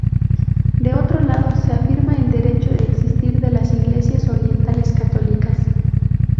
De otro lado se afirma el derecho de existir de las Iglesias orientales católicas.